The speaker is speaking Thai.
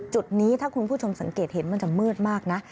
จุดนี้ถ้าคุณผู้ชมสังเกตเห็นมันจะมืดมากนะ